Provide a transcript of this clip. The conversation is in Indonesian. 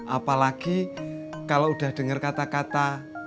apalagi kalau udah dengar kata kata